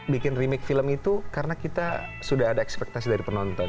bikin remake film itu karena kita sudah ada ekspektasi dari penonton